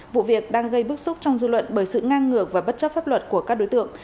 vụ việc đang gây bức xúc trong dư luận bởi sự ngang ngược và bất chấp pháp luật của các đối tượng